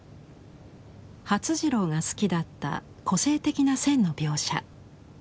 發次郎が好きだった個性的な線の描写。